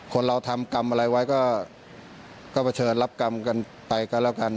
คนเราทำกรรมอะไรไว้ก็เผชิญรับกรรมกันไปก็แล้วกัน